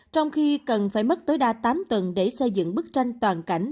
trong khi cần phải mất tối đa tám tuần để xây dựng bức tranh toàn cảnh